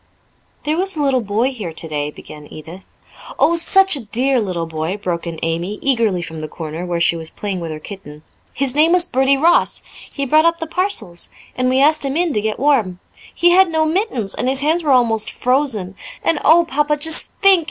"There was a little boy here today," began Edith. "Oh, such a dear little boy," broke in Amy eagerly from the corner, where she was playing with her kitten. "His name was Bertie Ross. He brought up the parcels, and we asked him in to get warm. He had no mittens, and his hands were almost frozen. And, oh, Papa, just think!